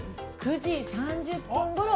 ９時３０分ころ